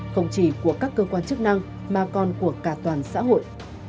không chỉ của các cơ quan chức năng mà còn của cả toàn xã hội